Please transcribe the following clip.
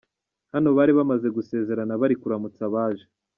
Hano bari bamaze gusezerana bari kuramutsa abaje.